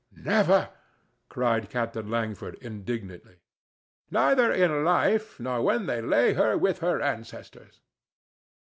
"Never!" cried Captain Langford, indignantly—"neither in life nor when they lay her with her ancestors."